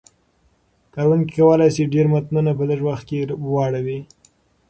کاروونکي کولای شي ډېر متنونه په لږ وخت کې واړوي.